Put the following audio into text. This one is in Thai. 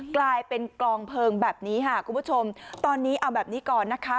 กลายเป็นกลองเพลิงแบบนี้ค่ะคุณผู้ชมตอนนี้เอาแบบนี้ก่อนนะคะ